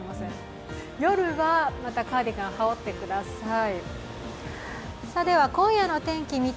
夜はまたカーディガン羽織ってください。